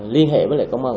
liên hệ với công an